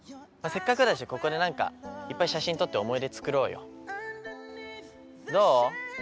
せっかくだし、ここでいっぱい写真撮って思い出作ろうよ。